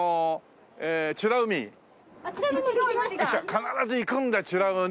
必ず行くんだよ